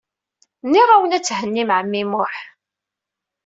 Nniɣ-awen ad thennim ɛemmi Muḥ.